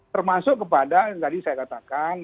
termasuk kepada yang tadi saya katakan